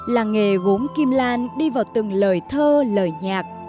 làng nghề gốm kim lan đi vào từng lời thơ lời nhạc